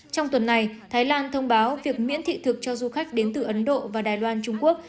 trong tuần này thái lan thông báo việc miễn thị thực cho du khách đến từ ấn độ và đài loan trung quốc